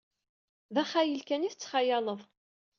D axayel kan ay tettxayaleḍ.